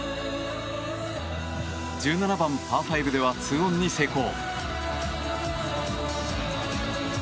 １７番、パー５では２オンに成功。